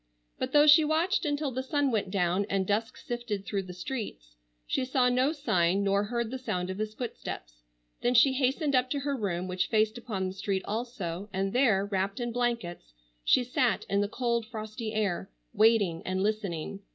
But though she watched until the sun went down and dusk sifted through the streets, she saw no sign nor heard the sound of his footsteps. Then she hastened up to her room, which faced upon the street also, and there, wrapped in blankets she sat in the cold frosty air, waiting and listening.